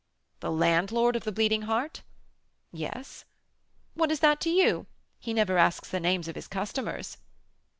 "The landlord of the Bleeding Heart?" "Yes." "What is that to you? He never asks the names of his customers."